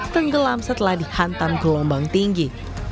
tenggelam setelah dihantam ke lombang tinggi